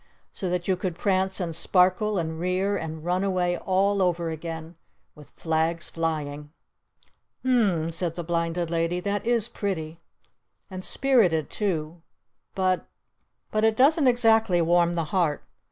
So that you could prance and sparkle and rear and run away all over again, with flags flying! "U m m," said the Blinded Lady. "That is pretty! And spirited too! But But it doesn't exactly warm the heart.